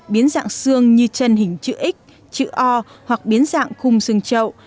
biến dạng xương như chân hình chữ x chữ o hoặc biến dạng khung xương trậu